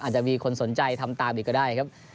อาจจะมีคนสนใจทำตามอีกก็ได้ครับ